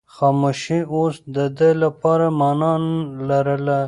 خاموشي اوس د ده لپاره مانا لرله.